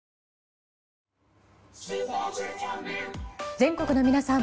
全国の皆さん